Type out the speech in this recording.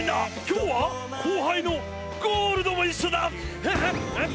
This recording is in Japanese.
今日は後輩のゴールドも一緒だ。